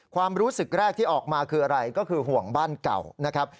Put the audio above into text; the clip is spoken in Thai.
ความรู้สึกแรกที่ออกมาคืออะไรก็คือห่วงบ้านเก่านะครับ